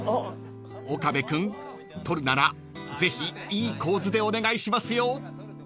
［岡部君撮るならぜひいい構図でお願いしますよ］